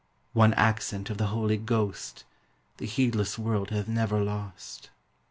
One accent of the Holy Ghost The heedless world hath never lost.